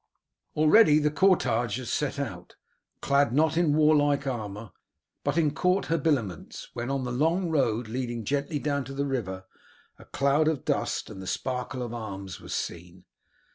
Already the cortege had set out, clad not in warlike armour but in court habiliments, when on the long road leading gently down to the river a cloud of dust and the sparkle of arms was seen.